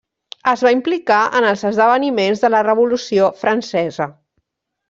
Es va implicar en els esdeveniments de la Revolució francesa.